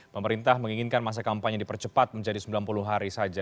pemerintah menginginkan masa kampanye dipercepat menjadi sembilan puluh hari saja